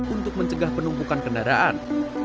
untuk mencegah penumpukan kendaraan